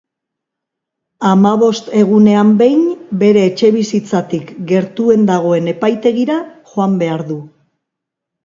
Hamabost egunean behin bere etxebizitzatik gertuen dagoen epaitegira joan behar du.